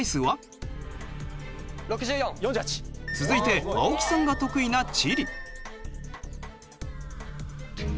続いて青木さんが得意な地理。